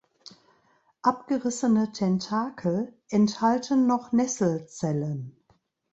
Abgerissene Tentakel enthalten noch Nesselzellen.